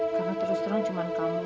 karena terus terang cuma kamu